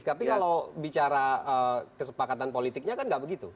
tapi kalau bicara kesepakatan politiknya kan nggak begitu